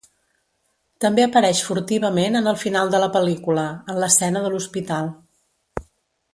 També apareix furtivament en el final de la pel·lícula, en l'escena de l'hospital.